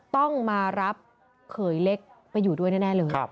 ต้องมารับเขยเล็กไปอยู่ด้วยแน่เลย